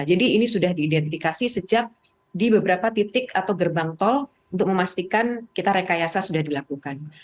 jadi ini sudah diidentifikasi sejak di beberapa titik atau gerbang tol untuk memastikan kita rekayasa sudah dilakukan